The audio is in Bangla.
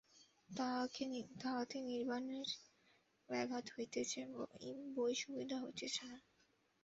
তাহাতে নির্বাণের ব্যাঘাত হইতেছে বই সুবিধা হইতেছে না।